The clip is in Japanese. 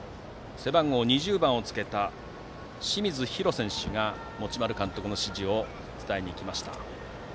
背番号２０番をつけた清水陽路選手が持丸監督の指示を伝えにいきました。